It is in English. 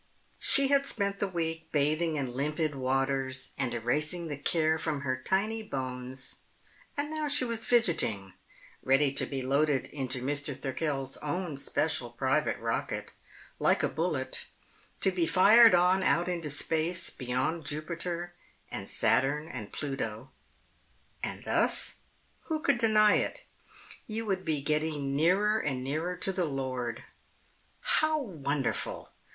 She had spent the week bathing in limpid waters and erasing the care from her tiny bones, and now she was fidgeting, ready to be loaded into Mr. Thirkell's own special private rocket, like a bullet, to be fired on out into space beyond Jupiter and Saturn and Pluto. And thus who could deny it? you would be getting nearer and nearer to the Lord. How wonderful!